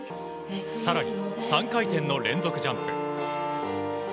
更に、３回転の連続ジャンプ。